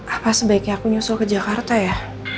apa sebaiknya aku nyusul ke jakarta ya